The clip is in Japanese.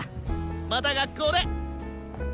また学校で！